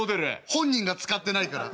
本人が使ってないから。